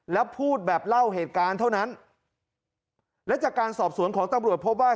แล้วพูดแบบเล่าเหตุการณ์เท่านั้นและจากการสอบสวนของตำรวจพบว่า